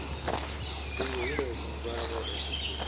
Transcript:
دوی ويلي وو چې ژباړه بايد دقيق وي.